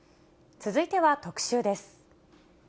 続いては特集です。